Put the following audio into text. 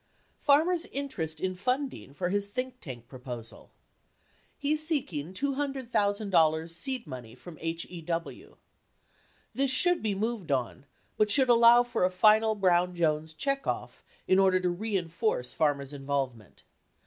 Farmer's interest in funding for his think tank proposal. He's seeking $200,000 seed money from HEW. (This should be moved on but should allow for a final Brown Jones check off in order to re inforce Farmer's involvement.